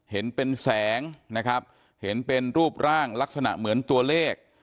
เห็นเป็นแสงนะครับเห็นเป็นรูปร่างลักษณะเหมือนตัวเลข